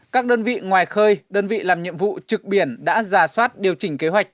các đơn vị ngoài khơi đơn vị làm nhiệm vụ trực biển đã giả soát điều chỉnh kế hoạch